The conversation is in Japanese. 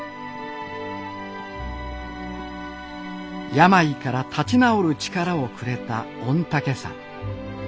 病から立ち直る力をくれた御嶽山。